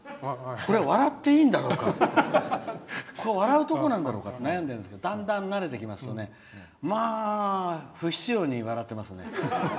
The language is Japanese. ここは笑っていいんだろうか笑うとこなんだろうかって悩んでるんですけどだんだん慣れてきますとまあ、不必要に笑ってますね。